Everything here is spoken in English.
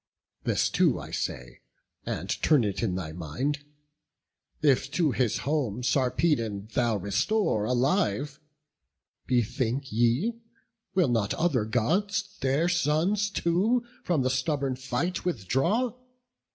This too I say, and turn it in thy mind: If to his home Sarpedon thou restore Alive, bethink thee, will not other Gods Their sons too from the stubborn fight withdraw?